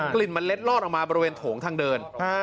ลิ่นมันเล็ดลอดออกมาบริเวณโถงทางเดิน